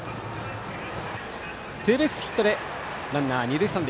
ツーベースヒットでランナー、二塁三塁。